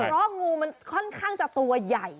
เพราะงูมันค่อนข้างจะตัวใหญ่